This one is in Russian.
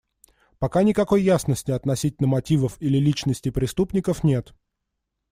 Пока никакой ясности относительно мотивов или личностей преступников нет.